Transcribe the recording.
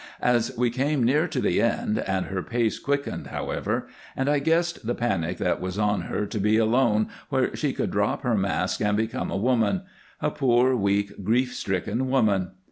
As we came near to the end and her pace quickened, however, and I guessed the panic that was on her to be alone where she could drop her mask and become a woman a poor, weak, grief stricken woman.